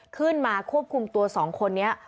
ขึ้นมาควบคุมตัวสองคนนี้